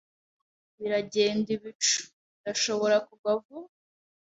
Biragenda bicu. Irashobora kugwa vuba.